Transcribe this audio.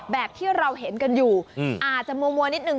แบบที่เราเห็นกันอยู่อาจจะมัวนิดนึ